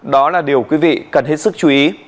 đó là điều quý vị cần hết sức chú ý